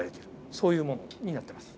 そういうものになってます。